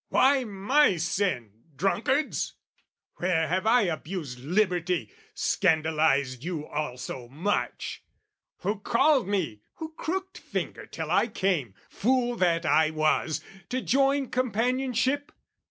Why my sin, drunkards? Where have I abused Liberty, scandalised you all so much? Who called me, who crooked finger till I came, Fool that I was, to join companionship?